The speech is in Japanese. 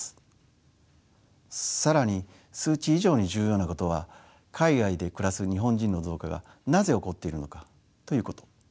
更に数値以上に重要なことは海外で暮らす日本人の増加がなぜ起こっているのかということ。